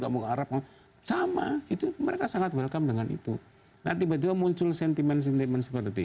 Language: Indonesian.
kamu ke arab sama itu mereka sangat welcome dengan itu nah tiba tiba muncul sentimen sentimen seperti